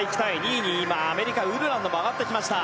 ２位にアメリカ、ウルランドも上がってきた。